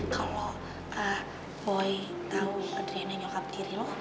kalau voi tau adriana nyokap diri lu